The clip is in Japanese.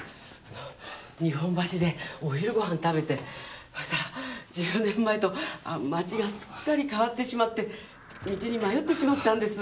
日本橋でお昼ご飯食べてそしたら１０年前と街がすっかり変わってしまって道に迷ってしまったんです。